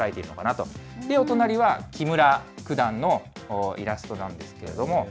そしてお隣は木村九段のイラストなんですけれども。